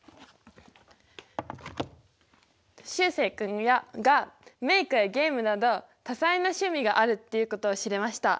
しゅうせい君がメイクやゲームなどたさいなしゅみがあるっていうことを知れました。